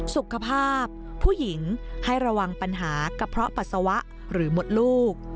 สุขภาพผู้หญิงให้ระวังปัญหากระเพาะปัสสาวะหรือหมดลูก